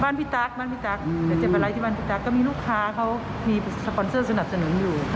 พี่ตั๊กบ้านพี่ตั๊กเดี๋ยวจะไปไลค์ที่บ้านพี่ตั๊กก็มีลูกค้าเขามีสปอนเซอร์สนับสนุนอยู่